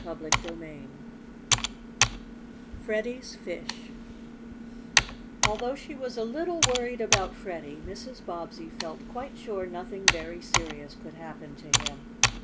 CHAPTER XIV FREDDIE'S FISH Although she was a little worried about Freddie, Mrs. Bobbsey felt quite sure nothing very serious could happen to him.